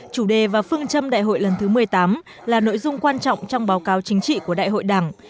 chủ đề và phương châm đại hội lần thứ một mươi tám là nội dung quan trọng trong báo cáo chính trị của đại hội đảng